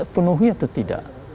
penuhnya atau tidak